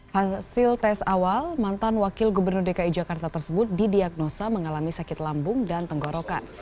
hasil tes awal mantan wakil gubernur dki jakarta tersebut didiagnosa mengalami sakit lambung dan tenggorokan